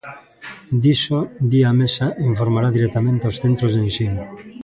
Diso, di, A Mesa informará directamente aos centros de ensino.